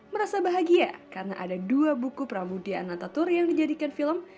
merasa bahagia karena ada dua buku pramudia annatatur yang dijadikan film